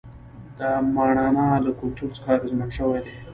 د ماڼانا له کلتور څخه اغېزمن شوي دي.